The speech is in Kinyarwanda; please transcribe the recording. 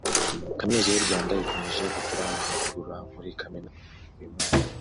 Kaminuza y’u Rwanda ikomeje gukora amavugurura muri Kamena uyu mwaka